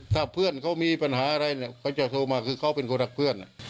ถ้าเพื่อนเขามีปัญหาอะไรเนี่ยเขาจะโทรมาคือเขาเป็นคนรักเพื่อน